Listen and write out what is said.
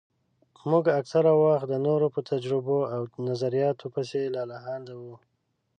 موږ اکثره وخت د نورو په تجربو او نظرياتو پسې لالهانده وو.